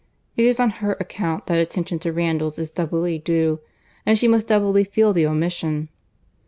It is on her account that attention to Randalls is doubly due, and she must doubly feel the omission.